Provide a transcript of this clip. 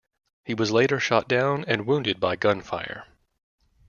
He was later shot down and wounded by gunfire.